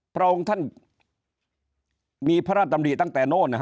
พระองค์ท่านมีพระราชดำริตั้งแต่โน่น